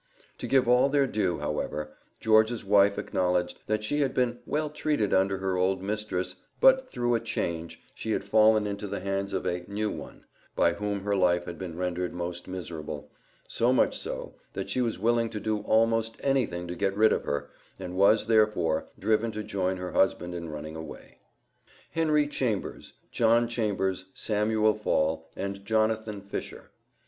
To give all their due, however, George's wife acknowledged, that she had been "well treated under her old mistress," but through a change, she had fallen into the hands of a "new one," by whom her life had been rendered most "miserable;" so much so, that she was willing to do almost anything to get rid of her, and was, therefore, driven to join her husband in running away. Henry Chambers, John Chambers, Samuel Fall, and Jonathan Fisher.